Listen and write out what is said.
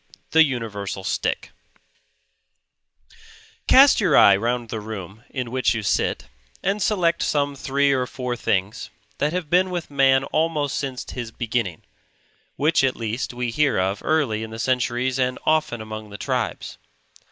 THE UNIVERSAL STICK Cast your eye round the room in which you sit, and select some three or four things that have been with man almost since his beginning; which at least we hear of early in the centuries and often among the tribes.